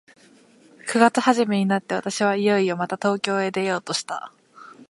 九月始めになって、私はいよいよまた東京へ出ようとした。